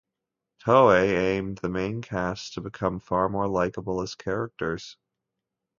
Toei aimed the main cast to become far more likable as characters.